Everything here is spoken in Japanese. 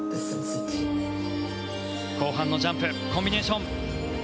後半のジャンプコンビネーション。